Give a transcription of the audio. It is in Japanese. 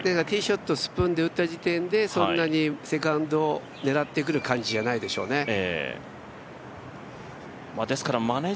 ティーショットスプーンで打った時点でそんなにセカンド、狙ってくる感じじゃないでしょうね。